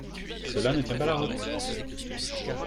Cela ne tient pas la route.